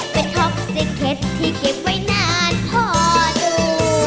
เป็นท็อกซิคเทศที่เก็บไว้นานพอดู